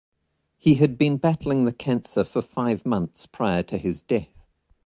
He had been battling the cancer for five months prior to his death.